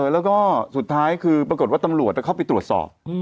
แล้วก็สุดท้ายปรากฏว่าตำรวจจะเข้าที่ตรวสอบ